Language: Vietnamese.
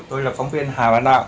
tôi là phóng viên hà bát đạo